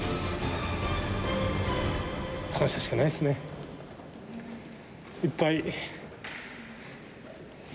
感謝しかないですね、いっぱい。